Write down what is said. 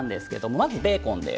まずベーコンです。